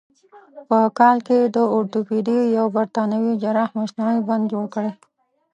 په کال کې د اورتوپیدي یو برتانوي جراح مصنوعي بند جوړ کړ.